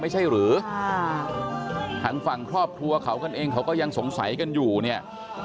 ไหนกันอยู่เนี่ย